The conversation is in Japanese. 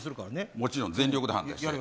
もちろん全力で判定して。